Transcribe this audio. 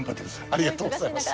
ありがとうございます。